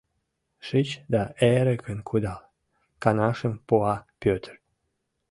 Шич да эркын кудал, — каҥашым пуа Пӧтыр.